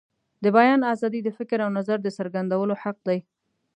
د بیان آزادي د فکر او نظر د څرګندولو حق دی.